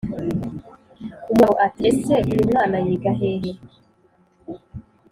umugabo ati ese uyumwna yiga hehe?